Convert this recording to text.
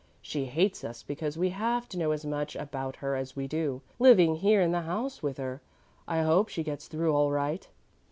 She hates us because we have to know as much about her as we do, living here in the house with her. I hope she gets through all right."